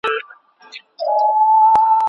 هغه په خندا کې ډیره ښکلې وه.